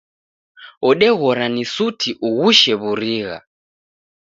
Odeghora ni suti ughushe wurigha.